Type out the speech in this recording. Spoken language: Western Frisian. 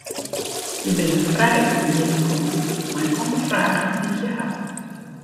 Je binne frij om hjir te kommen mei alle fragen dy't je ha.